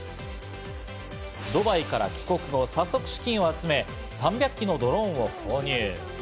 ドバイから帰国後、早速資金を集め、３００機のドローンを購入。